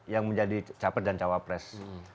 yang menjadi capres dan cawapres